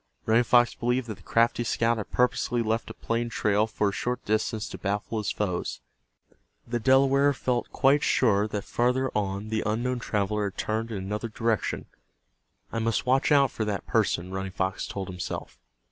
Running Fox believed that the crafty scout had purposely left a plain trail for a short distance to baffle his foes. The Delaware felt quite sure that farther on the unknown traveler had turned in another direction. "I must watch out for that person," Running Fox told himself.